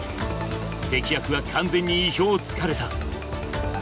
敵役は完全に意表をつかれた。